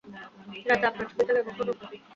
রাতে আপনার ছুটি থাকে কখনো?